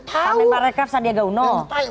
pak menteri pak rekref sadia gauno